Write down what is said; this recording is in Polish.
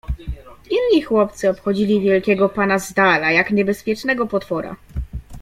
Inni chłopcy obchodzili wielkiego pana z dala, jak niebezpiecznego potwora.